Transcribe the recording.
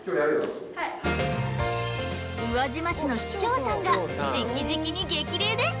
宇和島市の市長さんがじきじきに激励です。